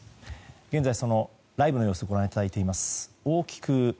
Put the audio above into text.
現在、ライブの様子をご覧いただいています。